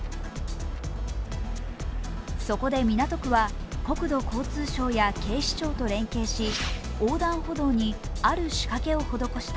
そこで港区は、国土交通省や警視庁と連携し横断歩道にある仕掛けを施した。